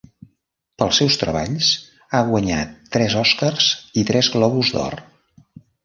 Pels seus treballs ha guanyat tres Oscars i tres globus d'or.